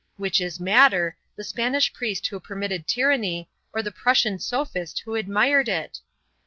Which is madder, the Spanish priest who permitted tyranny, or the Prussian sophist who admired it?